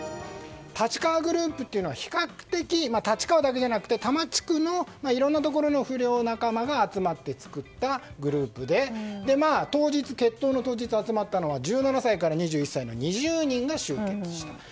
立川グループは比較的、立川だけじゃなくて多摩地区のいろんなところの不良仲間が集まって作ったグループで決闘の当日集まったのは１７歳から２１歳の２０人が集結したと。